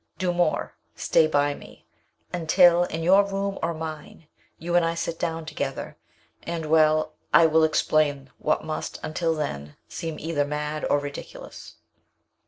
Do more stay by me, until, in your room or mine, you and I sit down together, and well, I will explain what must, until then, seem either mad or ridiculous.